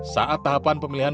saat tahapan pemilihan